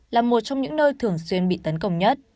là một trong những nơi thường xuyên bị tấn công nhất